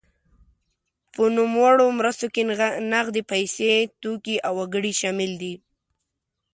په نوموړو مرستو کې نغدې پیسې، توکي او وګړي شامل دي.